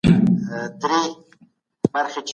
کتابتونونه د مطالعې لپاره باید ګټورې منابع وي.